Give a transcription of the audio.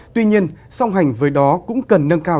tuy nhiên song hành với đó cũng cần nâng cao